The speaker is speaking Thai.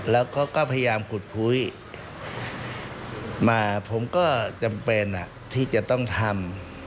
แล้วก็พยายามขุดคุยมาผมก็จำเป็นที่จะต้องทำ